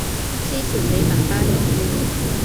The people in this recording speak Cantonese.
之前你爸爸入院